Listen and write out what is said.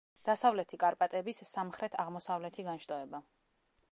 დასავლეთი კარპატების სამხრეთ-აღმოსავლეთი განშტოება.